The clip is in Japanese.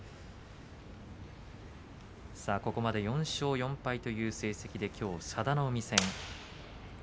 ここまで４勝４敗という成績できょう佐田の海戦。